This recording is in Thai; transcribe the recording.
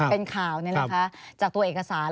เป็นข่าวนี่แหละคะจากตัวเอกสาร